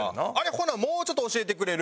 ほなもうちょっと教えてくれる？